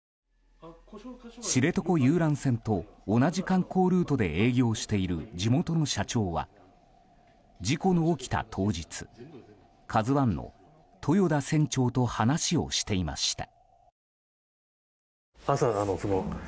知床遊覧船と同じ観光ルートで営業している地元の社長は事故の起きた当日「ＫＡＺＵ１」の豊田船長と話をしていました。